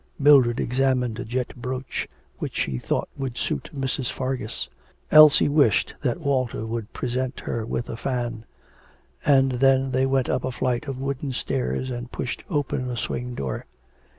Mildred examined a jet brooch which she thought would suit Mrs. Fargus. Elsie wished that Walter would present her with a fan; and then they went up a flight of wooden stairs and pushed open a swing door.